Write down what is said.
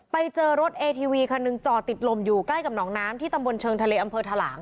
ไปเจอรถเอทีวีคันหนึ่งจอดติดลมอยู่ใกล้กับหนองน้ำที่ตำบลเชิงทะเลอำเภอทะหลาง